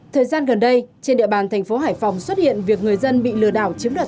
thời gian gần đây trên địa bàn thành phố hải phòng xuất hiện việc người dân bị lừa đảo chiếm đoạt